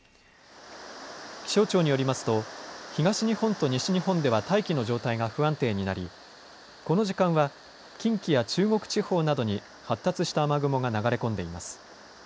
気象庁によりますと、東日本と西日本では大気の状態が不安定になり、この時間は、近畿や中国地方などに発達した雨雲が流れ込んでいます。